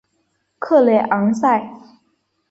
克雷昂塞。